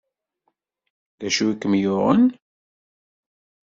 D acu i kem-yuɣen?